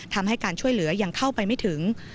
ทำให้การช่วยเหลือยังเข้าไปไม่ถึง